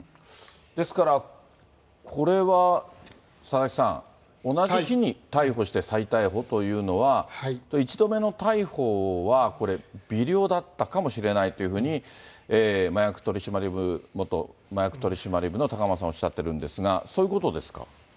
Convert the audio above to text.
ですからこれは、佐々木さん、同じ日に逮捕して再逮捕というのは、一度目の逮捕はこれ、微量だったかもしれないというふうに、元麻薬取締部の高濱さんはおっしゃってるんですが、そういうことですか。